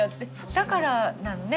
だからなのね